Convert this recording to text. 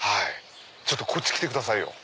ちょっとこっち来てくださいよ。